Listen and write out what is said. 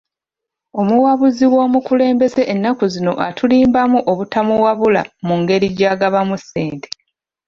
Omuwabuzi w'omukulembeze ennaku zino atulimbamu obutamuwabula ku ngeri gy'agabamu ssente.